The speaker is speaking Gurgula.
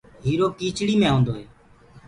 هيٚرو ڪيٚچڙي مي هونٚدوئي